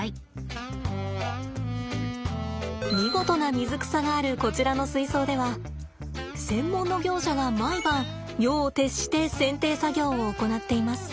見事な水草があるこちらの水槽では専門の業者が毎晩夜を徹して剪定作業を行っています。